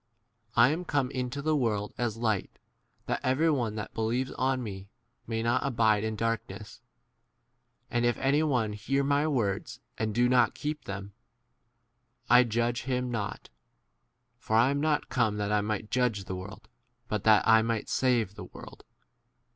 I * am come into the world [as] light, that every one that believes on me may not abide in 47 darkness ; and * if any one hear my words and do not keep [them], c I* judge him not, for I am not come that I might judge the world, but that I might save the world.